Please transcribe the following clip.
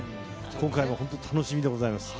今回も本当、楽しみでございます。